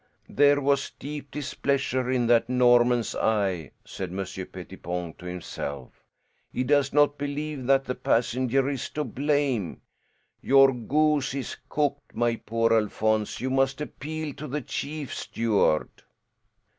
"There was deep displeasure in that Norman's eye," said Monsieur Pettipon to himself. "He does not believe that the passenger is to blame. Your goose is cooked, my poor Alphonse. You must appeal to the chief steward."